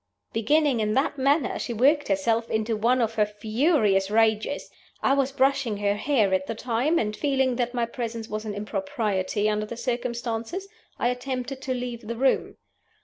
Beginning in that manner, she worked herself into one of her furious rages. I was brushing her hair at the time; and feeling that my presence was an impropriety under the circumstances, I attempted to leave the room.